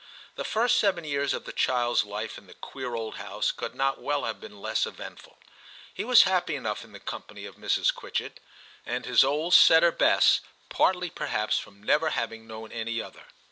The first seven years of the child's life in the queer old house could not well have been less eventful. He was happy enough in the company of Mrs. Quitchett and his old setter Bess, partly perhaps from never having known any other.